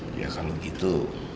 ya kalau gitu